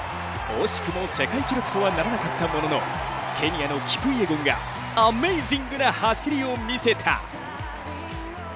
惜しくも世界記録とはならなかったが、ケニアのキプイエゴンがアメイジング！な走りを見せた。